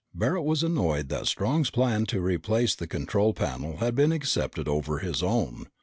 Barret was annoyed that Strong's plan to replace the control panel had been accepted over his own.